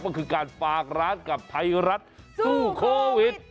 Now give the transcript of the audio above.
ก็คือการฝากร้านกับไทยรัฐสู้โควิด